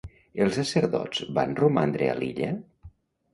Els sacerdots van romandre a l'illa?